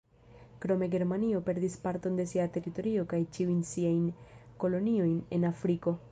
Krome Germanio perdis parton de sia teritorio kaj ĉiujn siajn koloniojn en Afriko.